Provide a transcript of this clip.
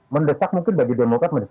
mendesak mungkin bagi demokrasi